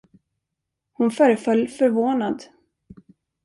Hon föreföll förvånad.